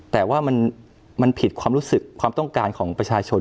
แต่ว่ามันผิดความรู้สึกความต้องการของประชาชน